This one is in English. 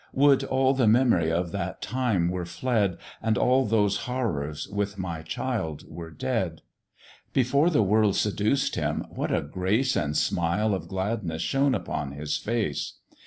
Would all the memory of that time were fled, And all those horrors, with my child, were dead! Before the world seduced him, what a grace And smile of gladness shone upon his face!